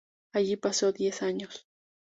Allí pasó diez años.